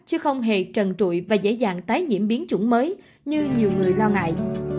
chứ không hề trần trụi và dễ dàng tái nhiễm biến chủng mới như nhiều người lo ngại